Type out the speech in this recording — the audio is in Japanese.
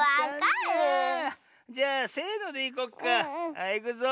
はいいくぞ。